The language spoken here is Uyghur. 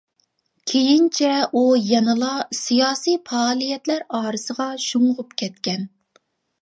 كېيىنچە ئۇ يەنىلا سىياسىي پائالىيەتلەر ئارىسىغا شۇڭغۇپ كەتكەن.